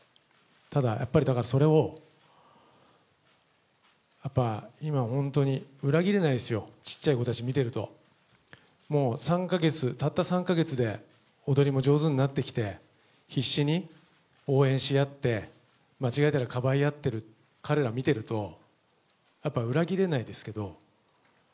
ただやっぱり、だからそれをやっぱ今、本当に裏切れないですよ、ちっちゃい子たち見てると、もう３か月、たった３か月で踊りも上手になってきて、必死に応援し合って、間違えたらかばい合ってる彼ら見てると、やっぱ裏切れないですけど。